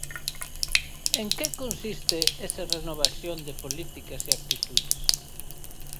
¿En que consiste esa renovación de políticas e actitudes?